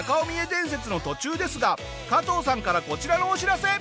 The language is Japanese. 伝説の途中ですが加藤さんからこちらのお知らせ。